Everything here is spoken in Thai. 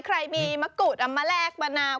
ใครมีมะกุฎมาแลกมะนาว